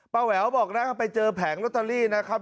ป้าแว๋วบอกนะครับไปเจอแผงรัตเตอรี่นะครับ